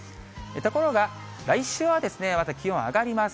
ところが来週はまた気温上がります。